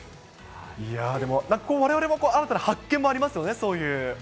われわれも新たな発見もありますよね、そういう。